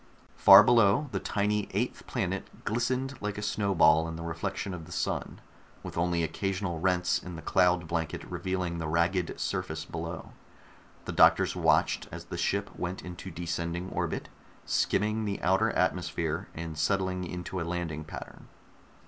Far below, the tiny eighth planet glistened like a snowball in the reflection of the sun, with only occasional rents in the cloud blanket revealing the ragged surface below. The doctors watched as the ship went into descending orbit, skimming the outer atmosphere and settling into a landing pattern.